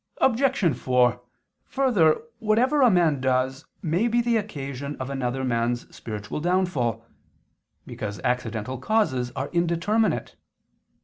Obj. 4: Further, whatever a man does may be the occasion of another's spiritual downfall, because accidental causes are indeterminate.